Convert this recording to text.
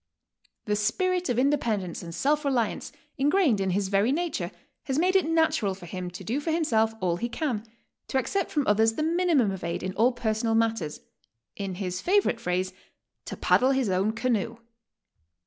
The spirit of independence and self reliance, ingrained in his very nature, has made it natural for him to do for himself all he can, to accept from others the minimum of aid in all personal mat ters, — in his favorite phrase, "to paddle his own canoe."